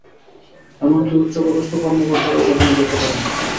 এমনকি উচ্চপদস্থ কর্মকর্তারাও সেখানে যেতে পারে না।